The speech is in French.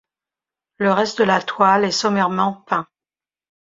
Le reste de la toile est sommairement peint.